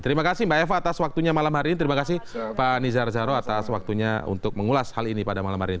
terima kasih mbak eva atas waktunya malam hari ini terima kasih pak nizar zahro atas waktunya untuk mengulas hal ini pada malam hari ini